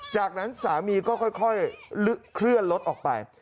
จากนั้นสามีก็ค่อยเคลื่อนรถออกไป